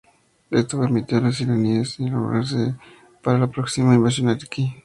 Esto permitió a los iraníes reagruparse y prepararse para la próxima invasión iraquí.